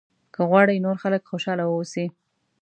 که غواړې نور خلک خوشاله واوسي.